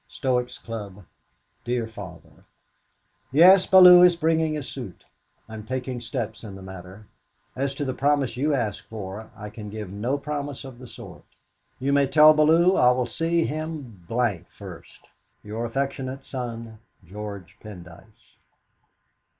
"STOICS' CLUB. "DEAR FATHER, "Yes, Bellew is bringing a suit. I am taking steps in the matter. As to the promise you ask for, I can give no promise of the sort. You may tell Bellew I will see him d d first. "Your affectionate son, "GEORGE PENDYCE."